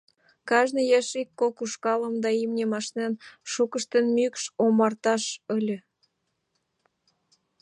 Кажне еш ик-кок ушкалым да имньым ашнен, шукыштын мӱкш омарташт ыле.